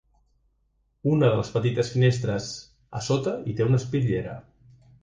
Una de les petites finestres, a sota hi té una espitllera.